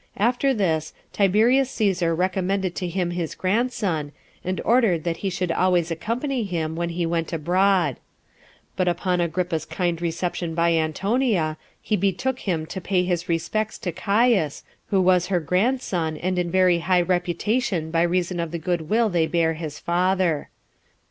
After this, Tiberius Cæsar recommended to him his grandson, 20 and ordered that he should always accompany him when he went abroad. But upon Agrippa's kind reception by Antonia, he betook him to pay his respects to Caius, who was her grandson, and in very high reputation by reason of the good will they bare his father.